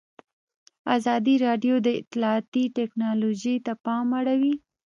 ازادي راډیو د اطلاعاتی تکنالوژي ته پام اړولی.